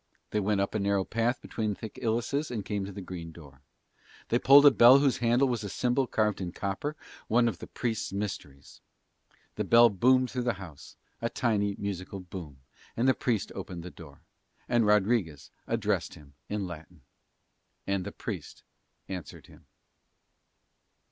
They went up a narrow path between thick ilices and came to the green door. They pulled a bell whose handle was a symbol carved in copper, one of the Priest's mysteries. The bell boomed through the house, a tiny musical boom, and the Priest opened the door; and Rodriguez addressed him in Latin. And the Priest answered him.